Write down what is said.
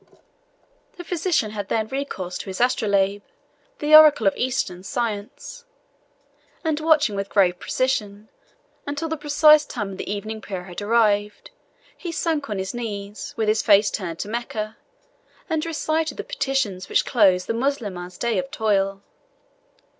The physician had then recourse to his astrolabe, the oracle of Eastern science, and watching with grave precision until the precise time of the evening prayer had arrived, he sunk on his knees, with his face turned to Mecca, and recited the petitions which close the Moslemah's day of toil.